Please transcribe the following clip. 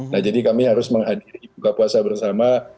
nah jadi kami harus menghadiri buka puasa bersama